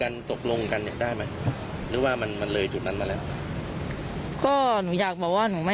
บ่อยทุกครั้งนะคะขอพูดคุยขอคุณดียังรักยังหลงเราอยู่อ่ะ